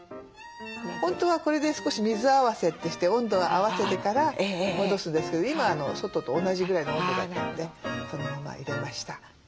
本当はこれで少し水合わせってして温度を合わせてから戻すんですけど今外と同じぐらいの温度だったのでそのまま入れました。